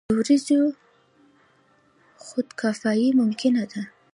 د وریجو خودکفايي ممکنه ده.